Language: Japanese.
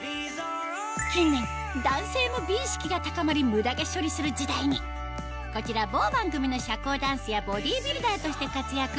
近年男性も美意識が高まりムダ毛処理する時代にこちら某番組の社交ダンスやボディビルダーとして活躍